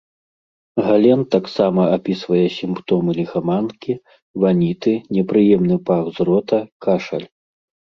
Гален таксама апісвае сімптомы ліхаманкі, ваніты, непрыемны пах з рота, кашаль.